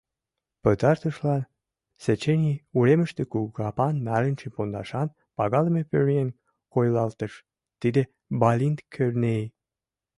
Пытартышлан Сеченьи уремыште кугу капан, нарынче пондашан пагалыме пӧръеҥ койылалтыш? тиде — Балинт Кӧрнеи.